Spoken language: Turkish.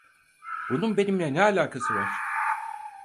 Bunun benimle ne alakası var?